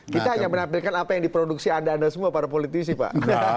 kita hanya menampilkan apa yang diproduksi anda anda semua para politisi pak